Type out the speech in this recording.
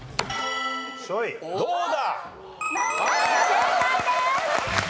正解です！